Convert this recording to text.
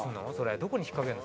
どこに引っかけるの？